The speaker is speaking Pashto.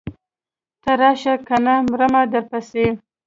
ته راشه کنه مرمه درپسې.